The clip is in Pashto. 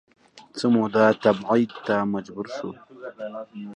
څه موده تبعید ته مجبور شو